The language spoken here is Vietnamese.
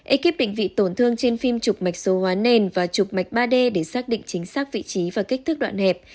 ekip định vị tổn thương trên phim trục mạch số hóa nền và trục mạch ba d để xác định chính xác vị trí và kích thước đoạn hẹp